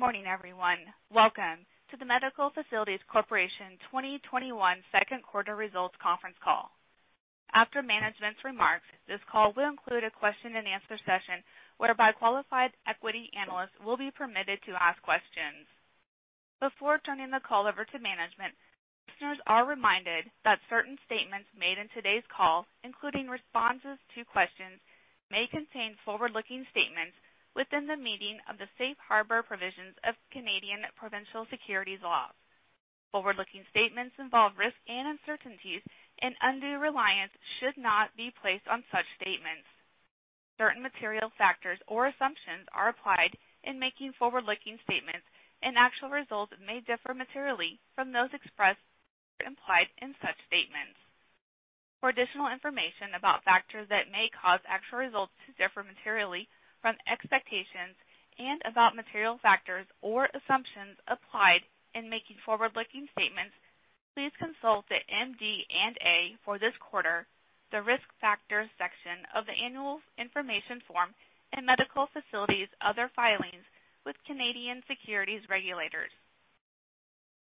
Good morning, everyone. Welcome to the Medical Facilities Corporation 2021 second quarter results conference call. After management's remarks, this call will include a question and answer session whereby qualified equity analysts will be permitted to ask questions. Before turning the call over to management, listeners are reminded that certain statements made in today's call, including responses to questions, may contain forward-looking statements within the meaning of the Safe Harbor provisions of Canadian provincial securities laws. Forward-looking statements involve risks and uncertainties. Undue reliance should not be placed on such statements. Certain material factors or assumptions are applied in making forward-looking statements. Actual results may differ materially from those expressed or implied in such statements. For additional information about factors that may cause actual results to differ materially from expectations and about material factors or assumptions applied in making forward-looking statements, please consult the MD&A for this quarter, the Risk Factors section of the annual information form, and Medical Facilities' other filings with Canadian securities regulators.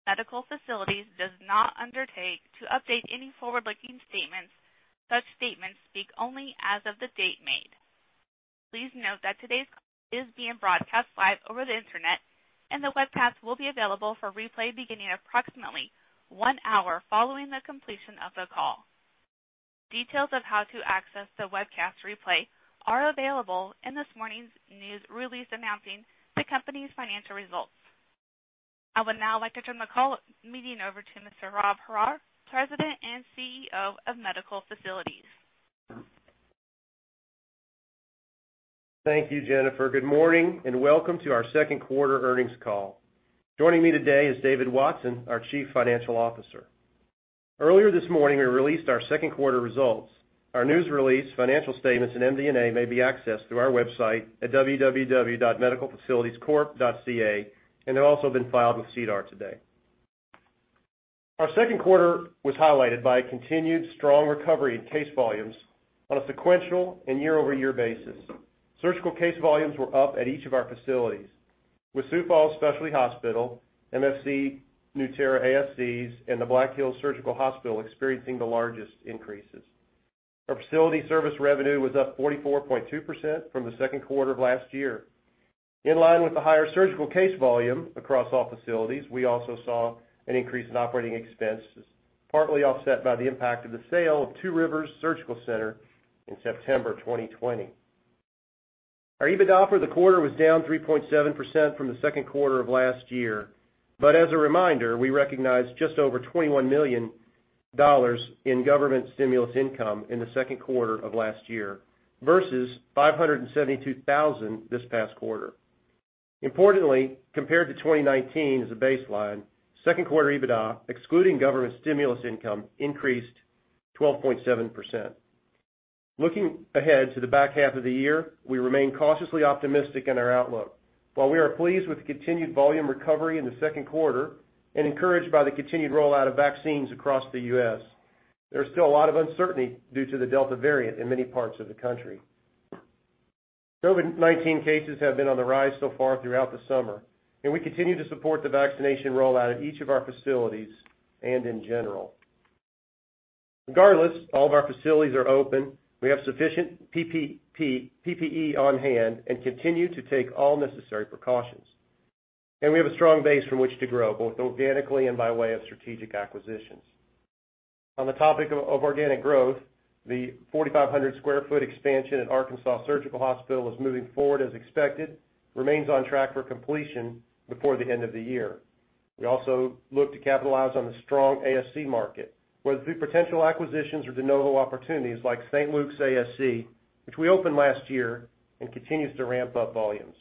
Medical Facilities does not undertake to update any forward-looking statements. Such statements speak only as of the date made. Please note that today's call is being broadcast live over the Internet, and the webcast will be available for replay beginning approximately one hour following the completion of the call. Details of how to access the webcast replay are available in this morning's news release announcing the company's financial results. I would now like to turn the call meeting over to Mr. Rob Horrar, President and CEO of Medical Facilities. Thank you, Jennifer. Good morning, and welcome to our second quarter earnings call. Joining me today is David Watson, our Chief Financial Officer. Earlier this morning, we released our second quarter results. Our news release, financial statements, and MD&A may be accessed through our website at www.medicalfacilitiescorp.ca, and they've also been filed with SEDAR today. Our second quarter was highlighted by a continued strong recovery in case volumes on a sequential and year-over-year basis. Surgical case volumes were up at each of our facilities, with Sioux Falls Specialty Hospital, MFC, Nueterra ASCs, and the Black Hills Surgical Hospital experiencing the largest increases. Our facility service revenue was up 44.2% from the second quarter of last year. In line with the higher surgical case volume across all facilities, we also saw an increase in operating expenses, partly offset by the impact of the sale of Two Rivers Surgical Center in September 2020. Our EBITDA for the quarter was down 3.7% from the second quarter of last year. As a reminder, we recognized just over $21 million in government stimulus income in the second quarter of last year versus $572,000 this past quarter. Importantly, compared to 2019 as a baseline, second quarter EBITDA, excluding government stimulus income, increased 12.7%. Looking ahead to the back half of the year, we remain cautiously optimistic in our outlook. While we are pleased with the continued volume recovery in the second quarter and encouraged by the continued rollout of vaccines across the U.S., there is still a lot of uncertainty due to the Delta variant in many parts of the country. COVID-19 cases have been on the rise so far throughout the summer, and we continue to support the vaccination rollout at each of our facilities and in general. Regardless, all of our facilities are open. We have sufficient PPE on hand and continue to take all necessary precautions. We have a strong base from which to grow, both organically and by way of strategic acquisitions. On the topic of organic growth, the 4,500 sq ft expansion at Arkansas Surgical Hospital is moving forward as expected, remains on track for completion before the end of the year. We also look to capitalize on the strong ASC market, whether through potential acquisitions or de novo opportunities like St. Luke's ASC, which we opened last year and continues to ramp up volumes.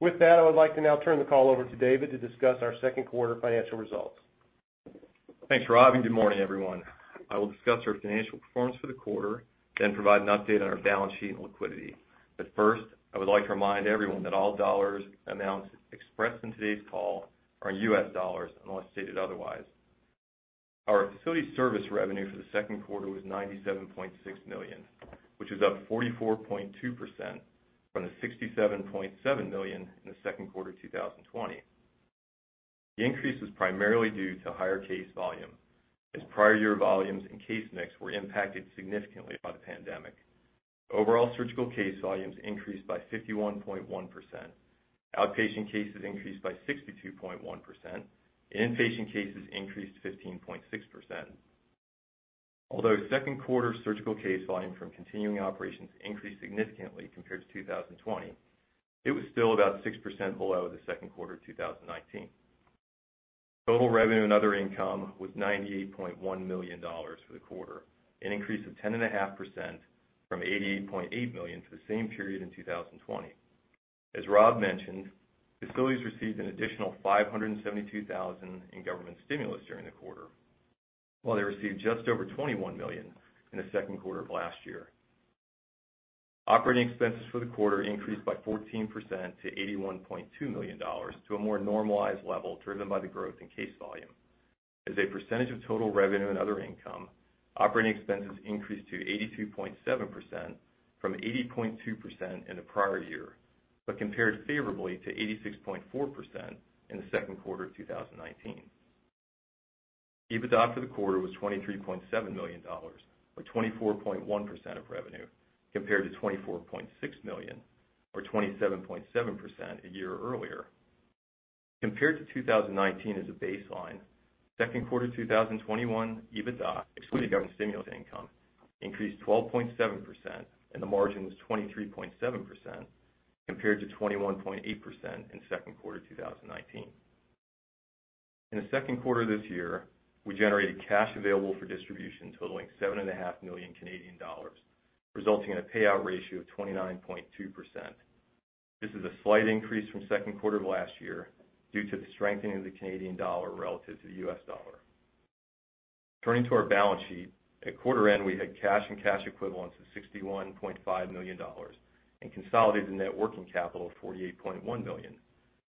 With that, I would like to now turn the call over to David to discuss our second quarter financial results. Thanks, Rob. Good morning, everyone. I will discuss our financial performance for the quarter, then provide an update on our balance sheet and liquidity. First, I would like to remind everyone that all dollar amounts expressed in today's call are in US dollars, unless stated otherwise. Our facility service revenue for the second quarter was $97.6 million, which is up 44.2% from the $67.7 million in the second quarter of 2020. The increase was primarily due to higher case volume, as prior year volumes and case mix were impacted significantly by the pandemic. Overall surgical case volumes increased by 51.1%. Outpatient cases increased by 62.1%. Inpatient cases increased 15.6%. Although second quarter surgical case volume from continuing operations increased significantly compared to 2020, it was still about 6% below the second quarter of 2019. Total revenue and other income was $98.1 million for the quarter, an increase of 10.5% from $88.8 million for the same period in 2020. As Rob mentioned, facilities received an additional $572,000 in government stimulus during the quarter, while they received just over $21 million in the second quarter of last year. Operating expenses for the quarter increased by 14% to $81.2 million to a more normalized level driven by the growth in case volume. As a percentage of total revenue and other income, operating expenses increased to 82.7% from 80.2% in the prior year, but compared favorably to 86.4% in the second quarter of 2019. EBITDA for the quarter was $23.7 million, or 24.1% of revenue, compared to $24.6 million, or 27.7% a year earlier. Compared to 2019 as a baseline, second quarter 2021 EBITDA, excluding government stimulus income, increased 12.7% and the margin was 23.7%, compared to 21.8% in second quarter 2019. In the second quarter of this year, we generated cash available for distribution totaling 7.5 million Canadian dollars, resulting in a payout ratio of 29.2%. This is a slight increase from second quarter of last year due to the strengthening of the Canadian dollar relative to the U.S. dollar. Turning to our balance sheet. At quarter end, we had cash and cash equivalents of $61.5 million and consolidated net working capital of $48.1 million,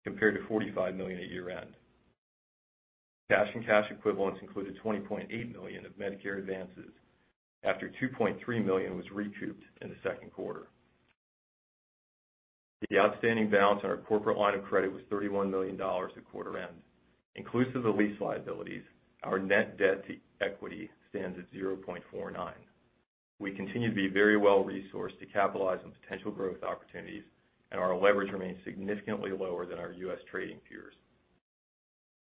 compared to $45 million at year-end. Cash and cash equivalents included $20.8 million of Medicare advances after $2.3 million was recouped in the second quarter. The outstanding balance on our corporate line of credit was $31 million at quarter end. Inclusive of lease liabilities, our net debt to equity stands at 0.49. We continue to be very well-resourced to capitalize on potential growth opportunities, and our leverage remains significantly lower than our U.S. trading peers.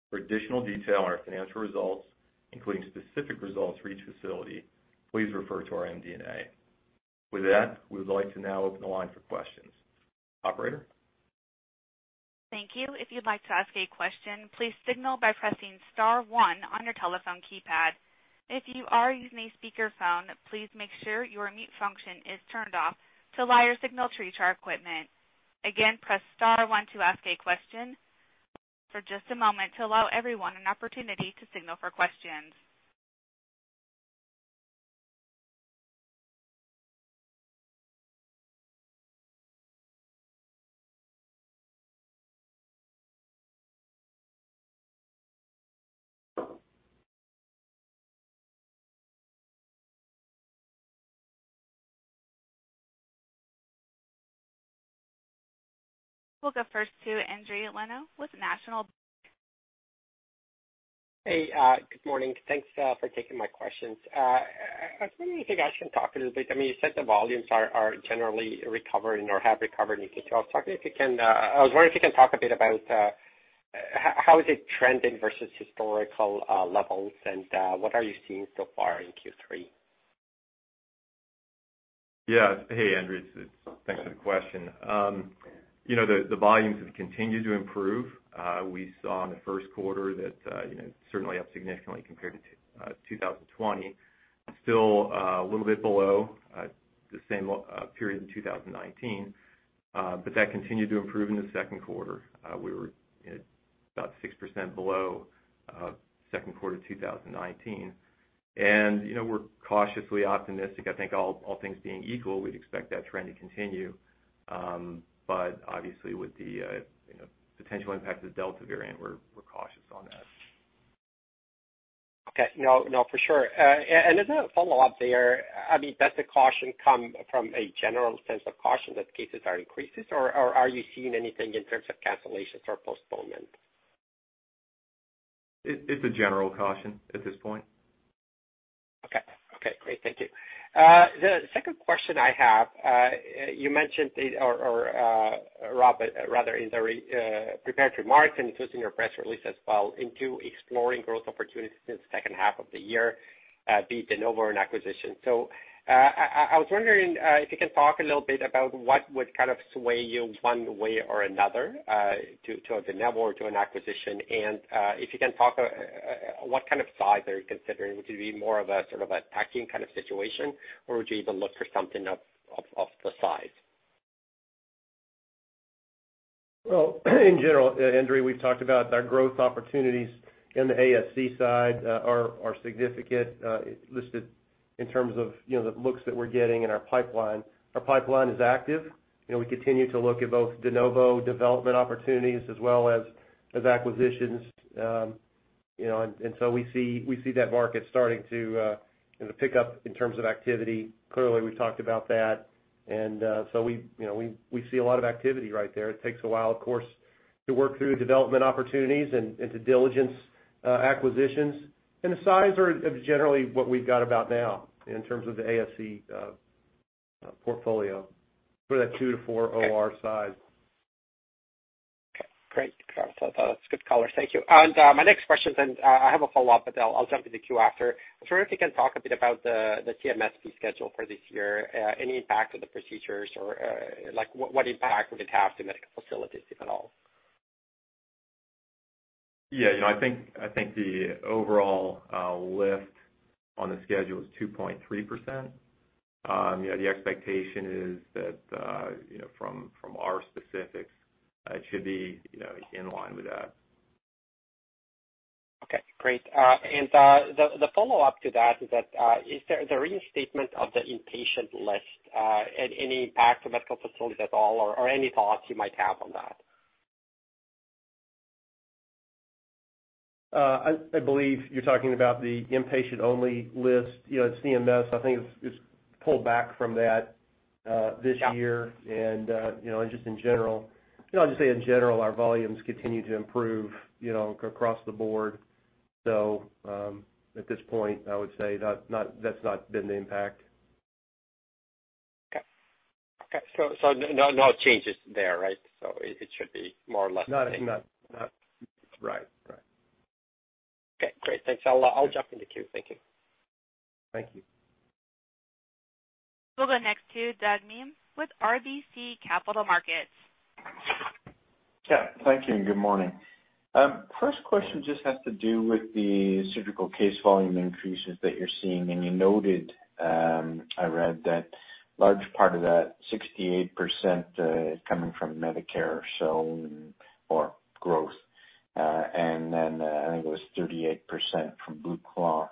For additional detail on our financial results, including specific results for each facility, please refer to our MD&A. With that, we would like to now open the line for questions. Operator? Thank you. If you'd like to ask a question, please signal by pressing star one on your telephone keypad. If you are using a speakerphone, please make sure your mute function is turned off to allow your signal to reach our equipment. Again, press star one to ask a question. For just a moment, to allow everyone an opportunity to signal for questions. We'll go first to Endri Leno with National. Hey, good morning. Thanks for taking my questions. I was wondering if you guys can talk a little bit, you said the volumes are generally recovering or have recovered in Q2. I was wondering if you can talk a bit about how is it trending versus historical levels and what are you seeing so far in Q3? Yeah. Hey, Endri. Thanks for the question. The volumes have continued to improve. We saw in the first quarter that it's certainly up significantly compared to 2020. Still a little bit below the same period in 2019, but that continued to improve in the second quarter. We were about 6% below second quarter 2019. We're cautiously optimistic. I think all things being equal, we'd expect that trend to continue. Obviously with the potential impact of the Delta variant, we're cautious on that. Okay. No, for sure. As a follow-up there, does the caution come from a general sense of caution that cases are increasing, or are you seeing anything in terms of cancellations or postponement? It's a general caution at this point. Okay. Great. Thank you. The second question I have, you mentioned, or Rob Horrar, in the prepared remarks, and it was in your press release as well, into exploring growth opportunities in the second half of the year, be it de novo and acquisition. I was wondering if you can talk a little bit about what would kind of sway you one way or another, to a de novo or to an acquisition, and if you can talk, what kind of size are you considering? Would it be more of a sort of a tuck-in kind of situation, or would you even look for something of the size? Well, in general, Endri, we've talked about our growth opportunities in the ASC side are significant, listed in terms of the looks that we're getting and our pipeline. Our pipeline is active. We continue to look at both de novo development opportunities as well as acquisitions. We see that market starting to pick up in terms of activity. Clearly, we've talked about that. We see a lot of activity right there. It takes a while, of course, to work through development opportunities and to diligence acquisitions. The size are generally what we've got about now in terms of the ASC portfolio, for that 2-4 OR size. Okay. Great. That's good color. Thank you. My next question then, I have a follow-up, but I'll jump to the queue after. I was wondering if you can talk a bit about the CMS fee schedule for this year, any impact on the procedures or what impact would it have to Medical Facilities, if at all? Yeah. I think the overall lift on the schedule is 2.3%. The expectation is that from our specifics, it should be in line with that. Okay, great. The follow-up to that is that the reinstatement of the inpatient-only list had any impact on Medical Facilities at all, or any thoughts you might have on that? I believe you're talking about the inpatient-only list. CMS, I think, has pulled back from that this year. Yeah. Just in general, I'll just say in general, our volumes continue to improve across the board. At this point, I would say that's not been the impact. Okay. No changes there, right? It should be more or less the same. Not Right. Okay, great. Thanks. I'll jump in the queue. Thank you. Thank you. We'll go next to Doug Miehm with RBC Capital Markets. Yeah. Thank you, and good morning. First question just has to do with the surgical case volume increases that you're seeing, and you noted, I read that large part of that 68% is coming from Medicare or growth. I think it was 38% from Blue Cross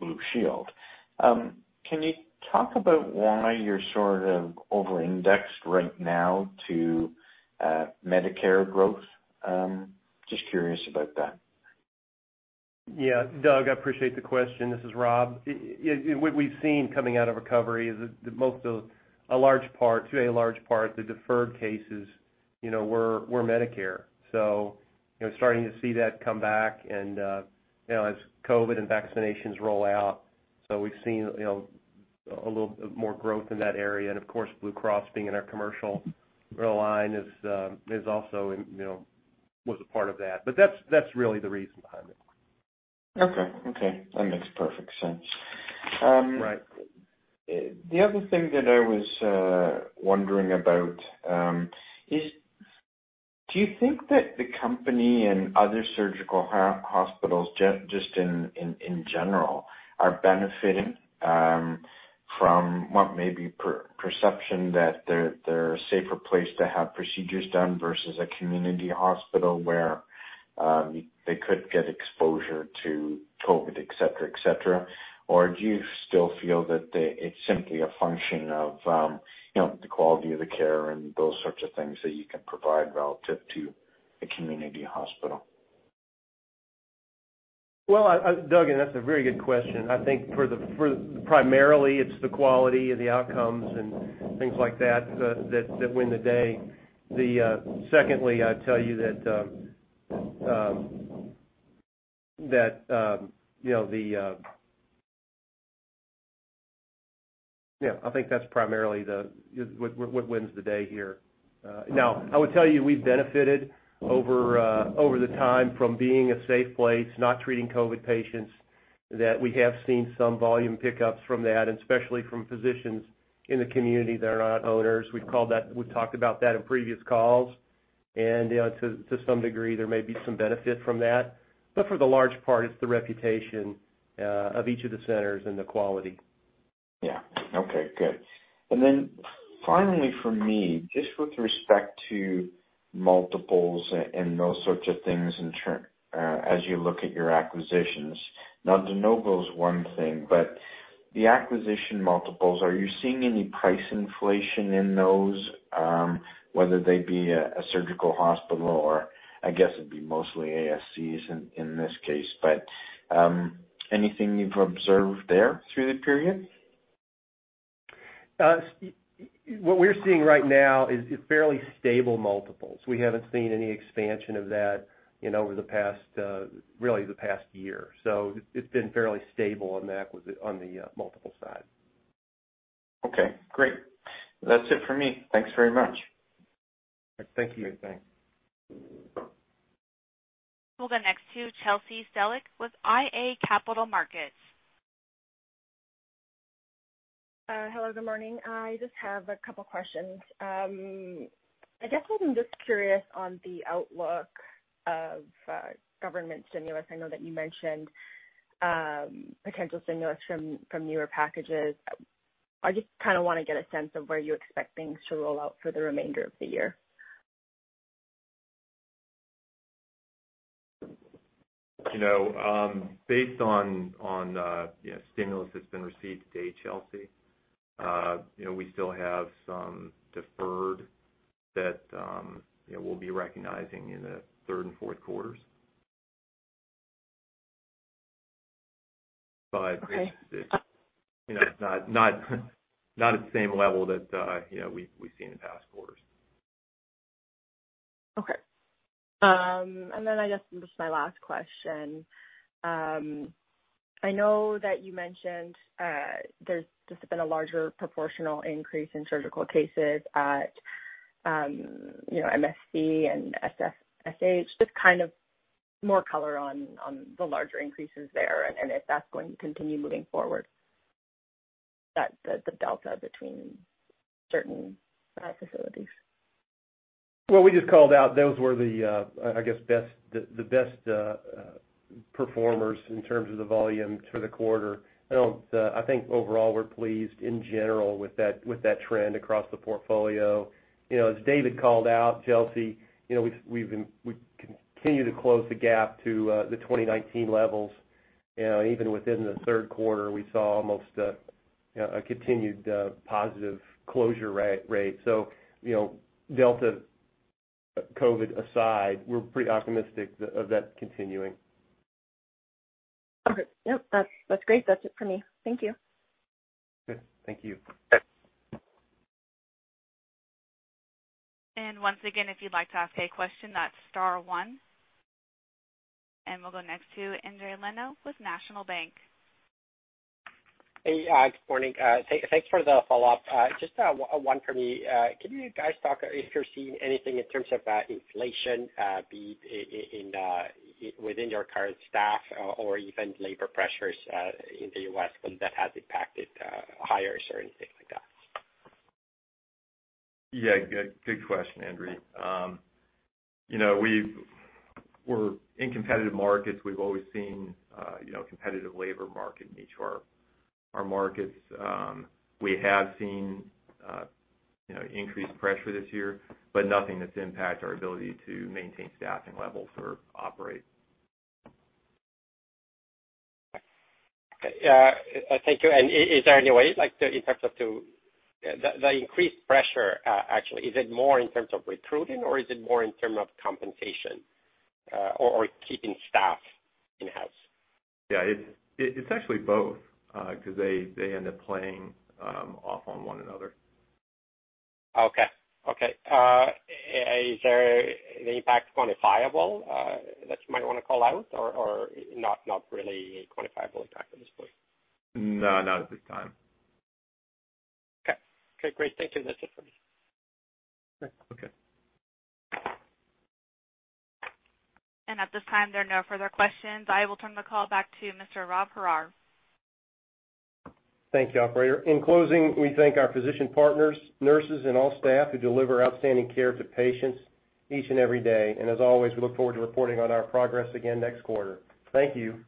Blue Shield. Can you talk about why you're sort of over-indexed right now to Medicare growth? Just curious about that. Yeah. Doug, I appreciate the question. This is Rob. What we've seen coming out of recovery is a large part to a large part of the deferred cases were Medicare, starting to see that come back as COVID and vaccinations roll out. We've seen a little more growth in that area, and of course, Blue Cross being in our commercial line was a part of that. That's really the reason behind it. Okay. That makes perfect sense. Right. The other thing that I was wondering about is, do you think that the company and other surgical hospitals, just in general, are benefiting from what may be a perception that they're a safer place to have procedures done versus a community hospital where they could get exposure to COVID, et cetera? Do you still feel that it's simply a function of the quality of the care and those sorts of things that you can provide relative to a community hospital? Doug, that's a very good question. I think primarily it's the quality of the outcomes and things like that win the day. Secondly, I'd tell you that I think that's primarily what wins the day here. Now, I would tell you we've benefited over the time from being a safe place, not treating COVID patients, that we have seen some volume pickups from that, and especially from physicians in the community that are not owners. We've talked about that in previous calls, and to some degree, there may be some benefit from that. For the large part, it's the reputation of each of the centers and the quality. Yeah. Okay, good. Finally for me, just with respect to multiples and those sorts of things as you look at your acquisitions. Now de novo's one thing, but the acquisition multiples, are you seeing any price inflation in those? Whether they be a surgical hospital or I guess it'd be mostly ASCs in this case, but anything you've observed there through the period? What we're seeing right now is fairly stable multiples. We haven't seen any expansion of that over the past year. It's been fairly stable on the multiple side. Okay, great. That's it for me. Thanks very much. Thank you. Thanks. We'll go next to Chelsea Stellick with iA Capital Markets. Hello, good morning. I just have a couple questions. I guess I'm just curious on the outlook of government stimulus. I know that you mentioned potential stimulus from newer packages. I just want to get a sense of where you expect things to roll out for the remainder of the year. Based on stimulus that's been received to date, Chelsea, we still have some deferred that we'll be recognizing in the third and fourth quarters. Okay it's not at the same level that we've seen in past quarters. Okay. I guess this is my last question. I know that you mentioned there's just been a larger proportional increase in surgical cases at MSC and SFSH. Just more color on the larger increases there and if that's going to continue moving forward, the delta between certain facilities. Well, we just called out, those were the best performers in terms of the volume for the quarter. I think overall we're pleased in general with that trend across the portfolio. As David Watson called out, Chelsea Stellick, we continue to close the gap to the 2019 levels. Even within the third quarter, we saw almost a continued positive closure rate. Delta COVID aside, we're pretty optimistic of that continuing. Okay. Yep, that's great. That's it for me. Thank you. Good. Thank you. Once again, if you'd like to ask a question, that's star one. We'll go next to Endri Leno with National Bank. Hey, good morning. Thanks for the follow-up. Just one for me. Can you guys talk if you're seeing anything in terms of inflation, be it within your current staff or even labor pressures in the U.S. whether that has impacted hires or anything like that? Yeah, good question, Endri. In competitive markets, we've always seen competitive labor market in each of our markets. We have seen increased pressure this year. Nothing that's impacted our ability to maintain staffing levels or operate. Okay. Thank you. Is there any way, in terms of the increased pressure, actually, is it more in terms of recruiting or is it more in terms of compensation or keeping staff in-house? Yeah, it's actually both, because they end up playing off on one another. Okay. Is the impact quantifiable that you might want to call out or not really a quantifiable impact at this point? No, not at this time. Okay. Great. Thank you. That's it for me. Okay. At this time, there are no further questions. I will turn the call back to Mr. Rob Horrar. Thank you, operator. In closing, we thank our physician partners, nurses, and all staff who deliver outstanding care to patients each and every day. As always, we look forward to reporting on our progress again next quarter. Thank you.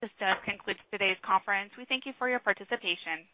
This does conclude today's conference. We thank you for your participation.